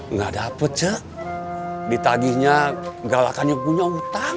enggak dapet ce ditagihnya galakannya punya utang